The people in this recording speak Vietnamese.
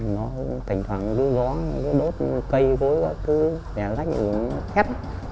nó thỉnh thoảng cứ gió cứ đốt cây cối cứ đẻ rách thì nó khét